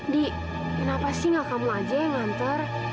di kenapa sih nggak kamu aja yang nganter